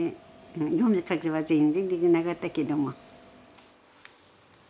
読み書きは全然できなかったけども。